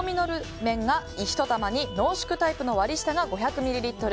麺が１玉に濃縮タイプの割り下が５００ミリリットル。